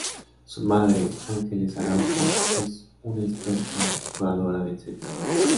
Su madre, Ángeles Araújo, es una histórica jugadora del Celta.